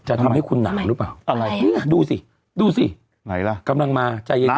จะทำให้คุณหนาหรือเปล่าอะไรนี่ไงดูสิดูสิไหนล่ะกำลังมาใจเย็น